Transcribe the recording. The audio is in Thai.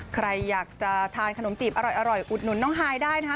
ใครอยากจะทานขนมจีบอร่อยอุดหนุนน้องฮายได้นะคะ